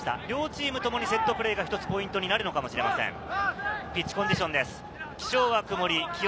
両チームともにセットプレーが一つポイントになるのかもしれません。